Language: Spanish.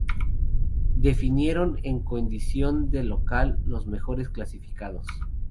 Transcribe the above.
Definieron en condición de local los mejores clasificados.